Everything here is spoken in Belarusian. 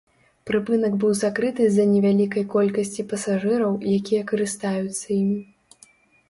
Прыпынак быў закрыты з-за невялікай колькасці пасажыраў, якія карыстаюцца ім.